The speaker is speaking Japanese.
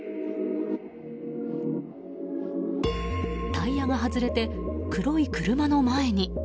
タイヤが外れて、黒い車の前に。